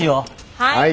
はい。